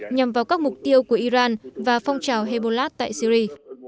nhằm vào các mục tiêu của iran và phong trào hebolat tại syri